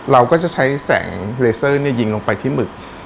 เราก็จะใช้แสงเลเซอร์ยิงลงไปที่หมึก